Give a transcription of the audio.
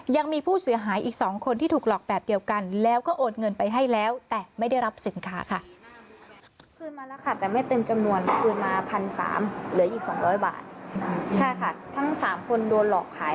ยังมีผู้เสียหายอีก๒คนที่ถูกหลอกแบบเดียวกันแล้วก็โอนเงินไปให้แล้วแต่ไม่ได้รับสินค้าค่ะ